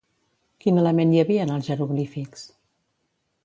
Quin element hi havia en els jeroglífics?